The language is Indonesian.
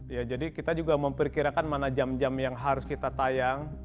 ya jadi kita juga memperkirakan mana jam jam yang harus kita tayang